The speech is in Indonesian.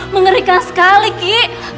mengerikan sekali ki